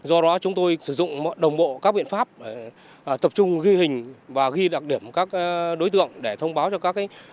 do đó chúng tôi sử dụng đồng bộ các biện pháp tập trung ghi hình và ghi đặc điểm các đối tượng để thông báo cho các